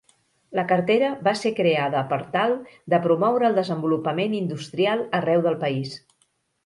La cartera va ser creada per tal de promoure el desenvolupament industrial arreu del país.